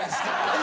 え？